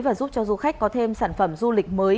và giúp cho du khách có thêm sản phẩm du lịch mới